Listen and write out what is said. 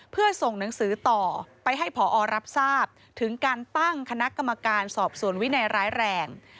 เพื่อส่งหนังสือต่อไปให้ผอรับทราบถึงการตั้งคณะกรรมการสอบสวนวินัยร้ายแรง